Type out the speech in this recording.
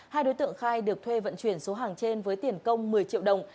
hai đối tượng khai được thuê vận chuyển số hàng trên với tiền công một mươi triệu đồng